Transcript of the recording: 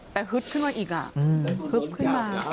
แต่ฮึดขึ้นมาอีกกี้